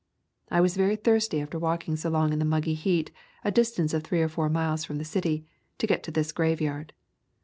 I was very thirsty after walking so long in the muggy heat, a distance of three or four miles from the city, to get to this graveyard.